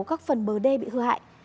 các phần bờ đê bị hư hại